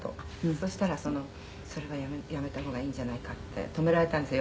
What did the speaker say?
「そしたら“それはやめた方がいいんじゃないか”って止められたんですよ